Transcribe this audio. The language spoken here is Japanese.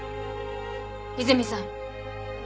泉さん